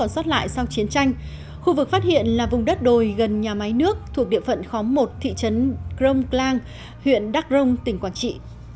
sau chiến tranh khu vực phát hiện là vùng đất đồi gần nhà máy nước thuộc địa phận khóm một thị trấn gromklang huyện đắc rông tỉnh quảng trị